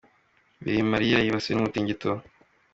Birimaniya yibasiwe n’umutingito